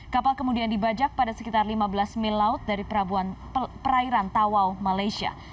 kapal kemudian dibajak pada sekitar lima belas mil laut dari perairan tawau malaysia